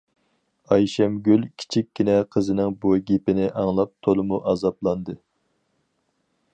ئايشەمگۈل كىچىككىنە قىزنىڭ بۇ گېپىنى ئاڭلاپ، تولىمۇ ئازابلاندى.